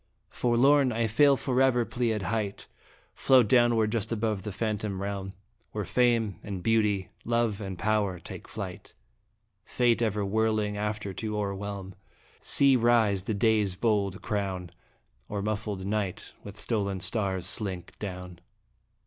123 Forlorn, I fail forever Pleiad height Float downward just above the phantom realm Where Fame and Beauty, Love and Power, take flight, Fate ever whirling after to o'erwhelm. See rise the Day's bold crown, Or muffled Night with stolen stars slink down